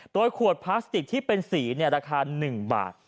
โดยขวดพลาสติกที่เป็นสีราคา๑บาท